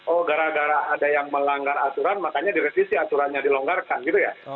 oh gara gara ada yang melanggar aturan makanya direvisi aturannya dilonggarkan gitu ya